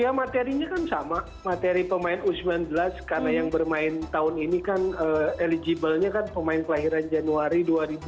ya materinya kan sama materi pemain u sembilan belas karena yang bermain tahun ini kan eligible nya kan pemain kelahiran januari dua ribu dua puluh